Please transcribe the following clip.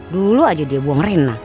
dulu aja dia buang rein